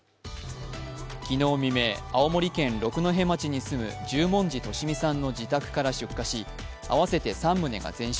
昨日未明、青森県六戸町に住む十文字利美さんの自宅から出火し合わせて３棟が全焼。